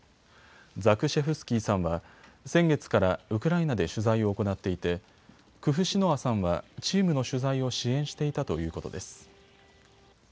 ザクシェフスキーさんは先月からウクライナで取材を行っていてクフシノワさんはチームの取材を支援していたということです。